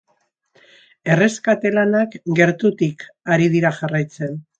Erreskate lanak gertutik ari dira jarraitzen.